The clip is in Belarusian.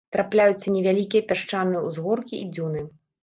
Трапляюцца невялікія пясчаныя ўзгоркі і дзюны.